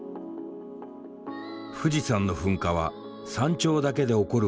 富士山の噴火は山頂だけで起こるわけではない。